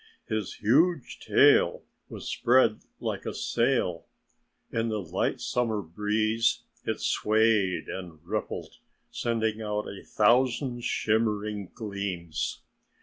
His huge tail was spread like a sail. In the light summer breeze it swayed and rippled, sending out a thousand shimmering gleams.